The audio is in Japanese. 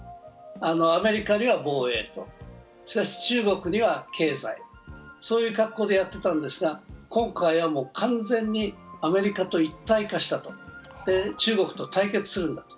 アメリカには防衛、しかし中国には経済、そういう格好でやってたんですが今回はもう完全にアメリカと一体化したと、中国と対決するんだと。